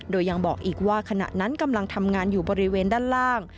โดยยังบอกอีกว่าขณะนั้นกำลังทำงานอยู่บริเวณด้านล่าง